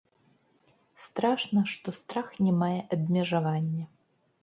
Страшна, што страх не мае абмежавання.